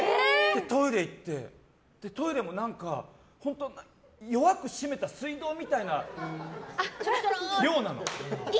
トイレ行って、トイレもなんか弱く締めた水道みたいな量なの。